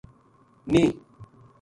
نیہہ